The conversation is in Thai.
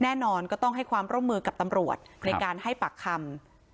แน่นอนก็ต้องให้ความร่วมมือกับตำรวจในการให้ปากคำ